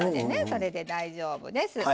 それで大丈夫です。